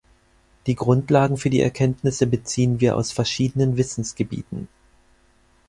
Die Grundlagen für die Erkenntnisse beziehen wir aus verschiedenen Wissensgebieten.